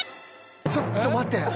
ちょっと待て。